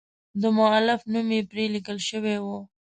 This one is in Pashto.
د مؤلف نوم یې پر لیکل شوی و.